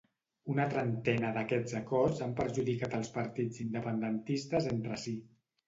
Una trentena d'aquests acords han perjudicat els partits independentistes entre si.